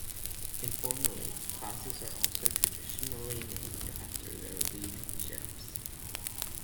Informally, classes are also traditionally named after their lead ships.